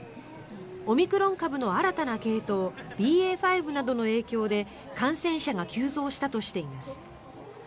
オミクロン株の新たな系統ＢＡ．５などの影響で感染者が急増したとしています。